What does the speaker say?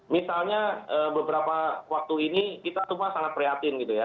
misalnya beberapa waktu ini kita semua sangat prihatin gitu ya